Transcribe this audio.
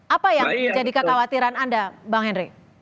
apa yang menjadi kekhawatiran anda bang henry